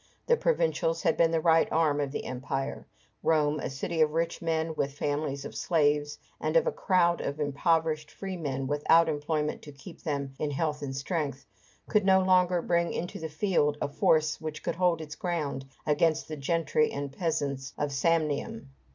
The provincials had been the right arm of the Empire. Rome, a city of rich men with families of slaves, and of a crowd of impoverished freemen without employment to keep them in health and strength, could no longer bring into the field a force which could hold its ground against the gentry and peasants of Samnium.